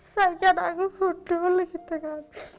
sakit anak gue kudul gitu kan